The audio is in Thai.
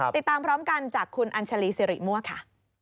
ติดตามพร้อมกันจากคุณอัญชาลีสิริมั่วค่ะ